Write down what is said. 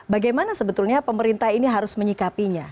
bagaimana sebetulnya pemerintah ini harus menyikapinya